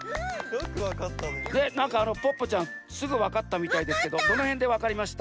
なんかあのポッポちゃんすぐわかったみたいですけどどのへんでわかりました？